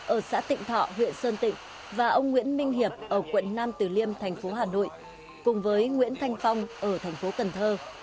ở xã tịnh thọ huyện sơn tịnh và ông nguyễn minh hiệp ở quận nam tử liêm thành phố hà nội cùng với nguyễn thanh phong ở thành phố cần thơ